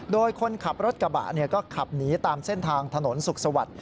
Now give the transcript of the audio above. โดยคนขับรถกระบะก็ขับหนีตามเส้นทางถนนสุขสวัสดิ์